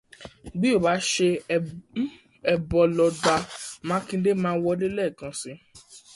Bí ó bá ṣe ẹbọ ló gbà, Mákindé ma wọlé lẹ́kàn si.